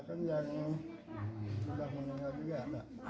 kan yang sudah meninggal juga